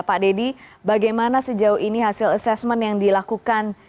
pak dedy bagaimana sejauh ini hasil asesmen yang dilakukan